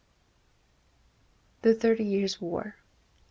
The Thirty Years' War.